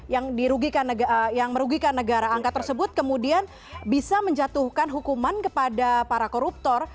yang merugikan negara angka tersebut kemudian bisa menjatuhkan hukuman kepada para koruptor